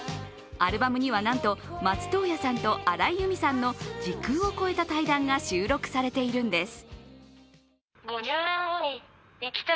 アルバムにはなんと松任谷さんと荒井由実さんの時空を超えた対談が収録されているんです。